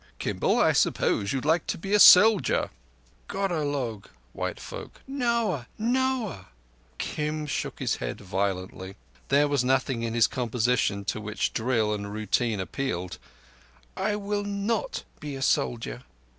Kimball, I suppose you'd like to be a soldier?" "Gorah log (white folk). No ah! No ah!" Kim shook his head violently. There was nothing in his composition to which drill and routine appealed. "I will not be a soldier."